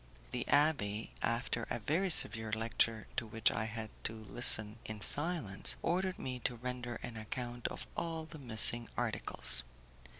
The abbé, after a very severe lecture to which I had to listen in silence, ordered me to render an account of all the missing articles.